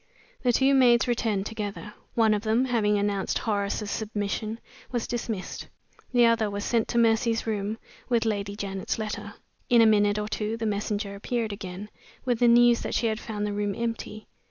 The two maids returned together. One of them, having announced Horace's submission, was dismissed. The other was sent to Mercy's room with Lady Janet's letter. In a minute or two the messenger appeared again, with the news that she had found the room empty.